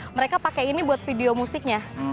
mereka pakai ini buat video musiknya